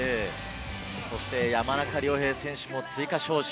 そして山中亮平選手も追加招集。